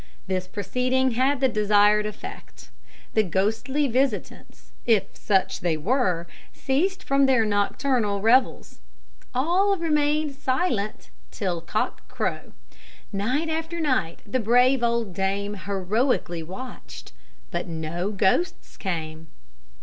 This proceeding had the desired effect. The ghostly visitants, if such they were, ceased from their nocturnal revels. All remained silent till cock crow. Night after night the brave old dame heroically watched, but no ghosts came.